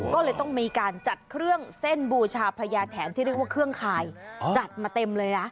ก็เลยต้องมีการจัดเครื่องเส้นบูชาพญาแถมที่เรียกว่าเครื่องคายจัดมาเต็มเลยนะ